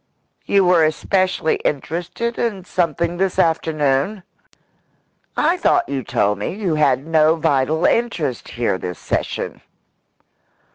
"You were especially interested in something this afternoon? I thought you told me you had no vital interest here this session."